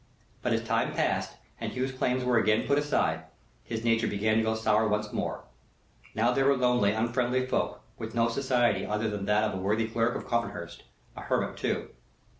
But as time passed, and Hugh's claims were again put aside, his nature began to go sour once more. Now they were lonely, unfriendly folk, with no society other than that of the worthy Clerk of Copmanhurst a hermit too.